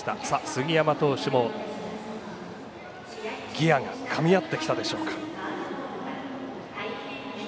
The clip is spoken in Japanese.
杉山投手もギヤがかみ合ってきたでしょうか。